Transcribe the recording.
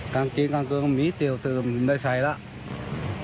ทางกินกันก็มีเตี๋ยวเติมใส่แล้ว